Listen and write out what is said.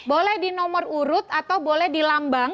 boleh di nomor urut atau boleh di lambang